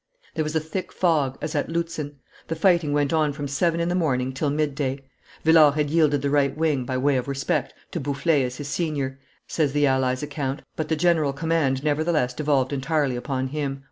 There was a thick fog, as at Lutzen; the fighting went on from seven in the morning till midday. Villars had yielded the right wing, by way of respect, to Bouffiers as his senior, says the allies' account, but the general command nevertheless devolved entirely upon him.